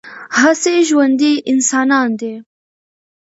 هسې ژوندي انسانان دي